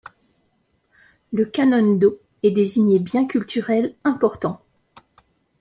Le Kannon-dō est désigné bien culturel important.